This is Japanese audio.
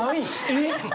えっ？